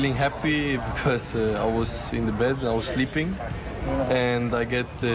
ตอนนั้นเขาบอกให้เบอร์รวมไปครับ